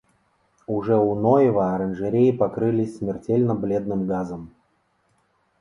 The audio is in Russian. Уже у Ноева оранжереи покрылись смертельно-бледным газом!